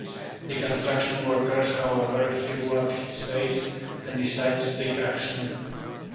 The construction workers, however, hear what he says and decide to take action.